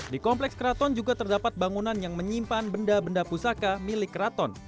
di kompleks keraton juga terdapat bangunan yang menyimpan benda benda pusaka milik keraton